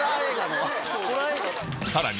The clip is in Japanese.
さらに